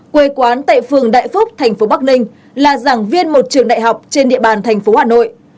quê quán tại phường đại phúc tp bắc ninh là giảng viên một trường đại học trên địa bàn tp hà nội